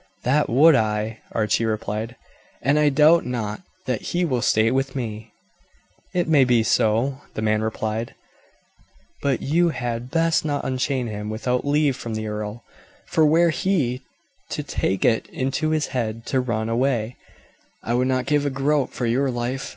"That would I," Archie replied; "and I doubt not that he will stay with me." "It may be so," the man replied; "but you had best not unchain him without leave from the earl, for were he to take it into his head to run away, I would not give a groat for your life.